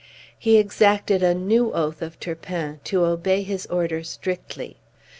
He exacted a new oath of Turpin to obey his order strictly.